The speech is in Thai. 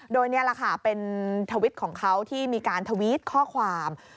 โดยนี่แหละค่ะเป็นทวิตของเขาที่มีการทวิตข้อความ